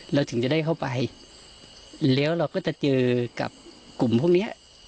เราถึงจะได้เข้าไปแล้วเราก็จะเจอกับกลุ่มพวกเนี้ย